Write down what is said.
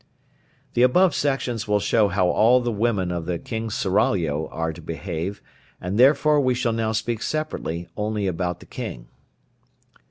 The above sections will show how all the women of the King's seraglio are to behave, and therefore we shall now speak separately only about the king.